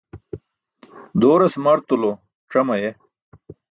Dooras martulo cam aye.